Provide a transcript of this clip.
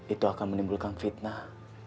itu akan menimbulkan fitnah